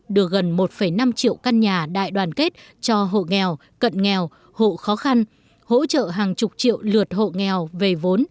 được gần một năm triệu căn nhà đại đoàn kết cho hộ nghèo cận nghèo hộ khó khăn hỗ trợ hàng chục triệu lượt hộ nghèo về vốn